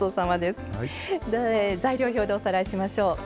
材料表でおさらいしましょう。